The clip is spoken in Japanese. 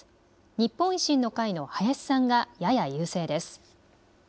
日本維新の会の林さんがやや優勢です。